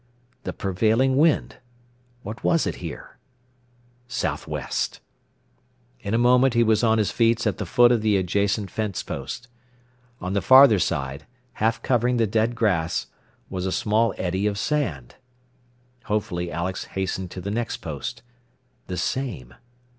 The prevailing wind! What was it here? Southwest! In a moment he was on his knees at the foot of the adjacent fence post. On the farther side, half covering the dead grass, was a small eddy of sand! Hopefully Alex hastened to the next post. _The same!